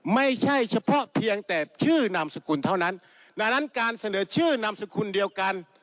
ไม่ใช่เฉพาะเพียงแต่ชื่อนามสกุลเท่านั้นดังนั้นการเสนอชื่อนามสกุลเดียวกัน